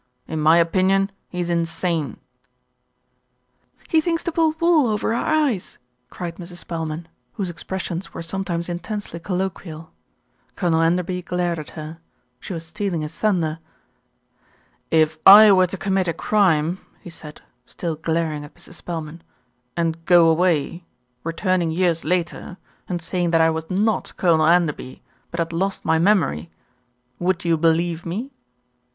In my opinion he's insane." LITTLE BILSTEAD SITS IN JUDGMENT 115 u He thinks to pull wool over our eyes," cried Mrs. Spelman, whose expressions were sometimes intensely colloquial. Colonel Enderby glared at her. She was stealing his thunder. "If I were to commit a crime," he said, still glaring at Mrs. Spelman, "and go away, returning years later, and saying that I was not Colonel Enderby, but had lost my memory, would you believe me?"